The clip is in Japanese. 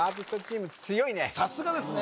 さすがですね